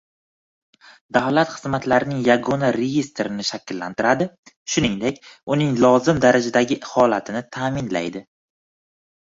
Davlat xizmatlarining yagona reestrini shakllantiradi, shuningdek, uning lozim darajadagi holatini ta’minlaydi.